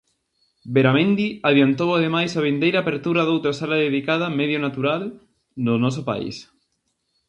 Beramendi adiantou ademais a vindeira apertura doutra sala dedicada Medio Natural do noso país.